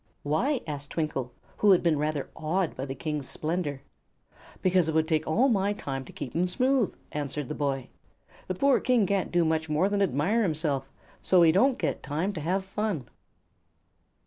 "Why?" asked Twinkle, who had been rather awed by the King's splendor. "Because it would take all my time to keep 'em smooth," answered the boy. "The poor King can't do much more than admire himself, so he don't get time to have fun."